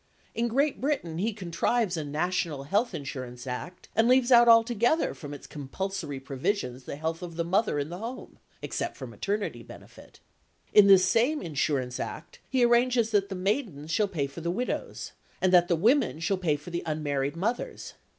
In Great Britain he contrives a National Health Insurance Act and leaves out altogether from its compulsory provisions the health of the mother in the home, except for maternity benefit. In this same Insurance Act he arranges that the maidens shall pay for the widows, and the women shall pay for the unmarried mothers.